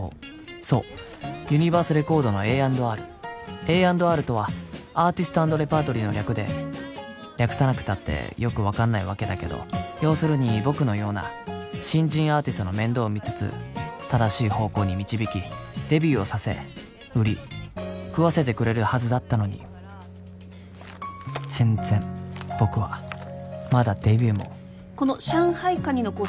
そうユニバースレコードのＡ＆ＲＡ＆Ｒとはアーティスト＆レパートリーの略で略さなくたってよく分かんないわけだけど要するに僕のような新人アーティストの面倒を見つつ正しい方向に導きデビューをさせ売り食わせてくれるはずだったのに全然僕はまだデビューもこの上海カニのコース